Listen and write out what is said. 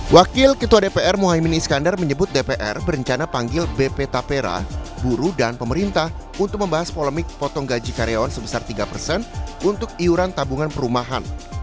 wakil ketua dpr muhaymin iskandar menyebut dpr berencana panggil bp tapera buru dan pemerintah untuk membahas polemik potong gaji karyawan sebesar tiga persen untuk iuran tabungan perumahan